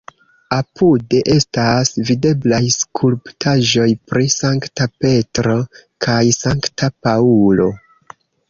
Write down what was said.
Apude estas videblaj skulptaĵoj pri Sankta Petro kaj Sankta Paŭlo.